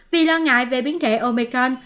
vì lo ngại về biến thể omicron